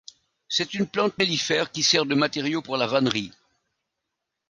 C'est une plante mellifère qui sert de matériau pour la vannerie.